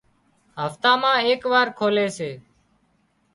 هفتا مان ايڪ وار کولي سي